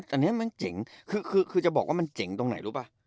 อันนี้มันเจ๋งคือจะบอกว่ามันเจ๋งตรงไหนรู้ป่ะ